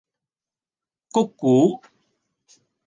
唂咕